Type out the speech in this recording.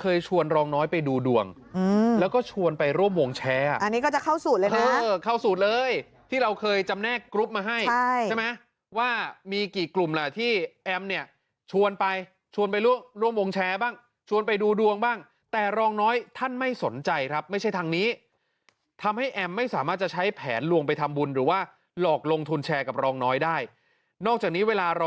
เคยชวนรองน้อยไปดูดวงแล้วก็ชวนไปร่วมวงแชร์อันนี้ก็จะเข้าสูตรเลยนะเข้าสูตรเลยที่เราเคยจำแนกกรุ๊ปมาให้ใช่ไหมว่ามีกี่กลุ่มล่ะที่แอมเนี่ยชวนไปชวนไปร่วมวงแชร์บ้างชวนไปดูดวงบ้างแต่รองน้อยท่านไม่สนใจครับไม่ใช่ทางนี้ทำให้แอมไม่สามารถจะใช้แผนลวงไปทำบุญหรือว่าหลอกลงทุนแชร์กับรองน้อยได้นอกจากนี้เวลารอ